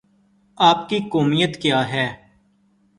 آپ کی قومیت کیا ہے؟